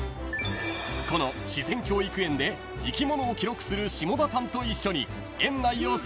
［この自然教育園で生き物を記録する下田さんと一緒に園内を捜索］